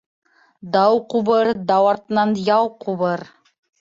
Дау ҡубыр, дау артынан яу ҡубыр.